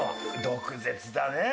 毒舌だねえ